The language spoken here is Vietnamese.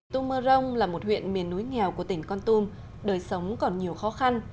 tum mơ rông là một huyện miền núi nghèo của tỉnh con tum đời sống còn nhiều khó khăn